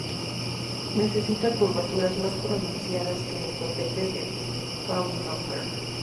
Necesita curvaturas más pronunciadas que el doblete de Fraunhofer.